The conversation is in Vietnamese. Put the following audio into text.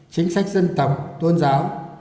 chính sách dân tộc tôn giáo